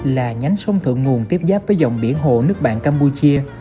là nhánh sông thượng nguồn tiếp giáp với dòng biển hồ nước bạn campuchia